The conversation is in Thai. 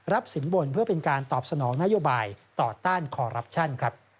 สินบนเพื่อเป็นการตอบสนองนโยบายต่อต้านคอรับชัน